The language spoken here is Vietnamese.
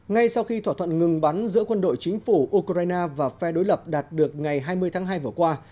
ngay sau khi thỏa thuận ngừng bắn giữa quân đội chính phủ ukraine và phe đối lập đạt được ngày hai mươi tháng hai vừa qua